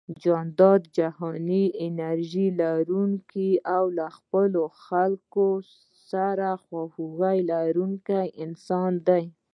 جانداد جهاني انرژي لرونکی او له خپلو خلکو سره خواخوږي لرونکی انسان دی